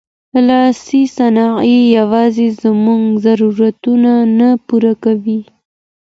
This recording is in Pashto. لاسي صنایع یوازې زموږ ضرورتونه نه پوره کوي.